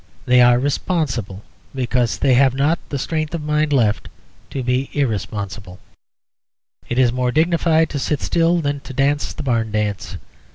They are responsible, because they have not the strength of mind left to be irresponsible. It is more dignified to sit still than to dance the Barn Dance.